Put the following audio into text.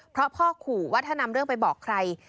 เพราะพ่อขู่ว่าถ้านำเรื่องไปบอกใคร